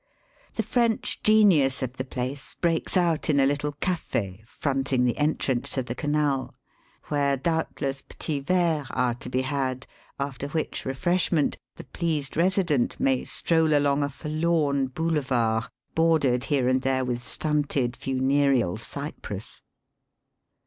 The French genius 1 of the place breaks out in a Uttle cafe fronting the entrance to the Canal, where doubtless jpetits verves are to be had, after which refresh ment the pleased resident may stroll along a forlorn boulevard, bordered here and there with stunted funereal cypress.